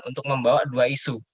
untuk membawa dua isu